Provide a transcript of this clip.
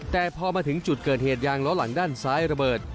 แต่พอมาถึงจุดเกิดเหตุยางล้อหลังด้านซ้ายระเบิด